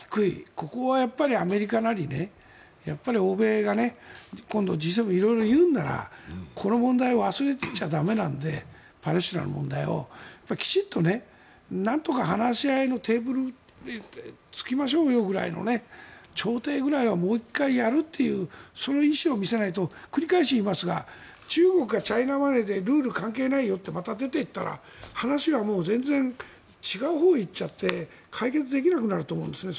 ここはアメリカなり欧米が今度Ｇ７、色々言うんならこの問題を忘れてちゃ駄目なのでパレスチナの問題をきちんとなんとか話し合いのテーブルにつきましょうよぐらいの調停ぐらいはもう１回やるっていうその意思を見せないと繰り返し言いますが中国がチャイナマネーでルール関係ないよとまた出ていったら話がもう全然違うほうに行っちゃって解決できなくなると思うんですね。